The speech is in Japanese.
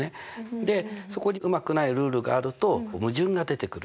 でそこにうまくないルールがあると矛盾が出てくるわけ。